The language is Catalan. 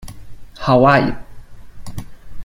Hawaii.